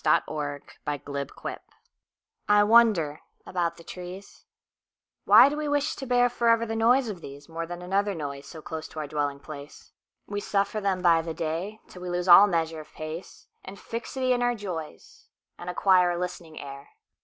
The Sound of the Trees I WONDER about the trees. Why do we wish to bearForever the noise of theseMore than another noiseSo close to our dwelling place? We suffer them by the dayTill we lose all measure of pace, And fixity in our joys, And acquire a listening air.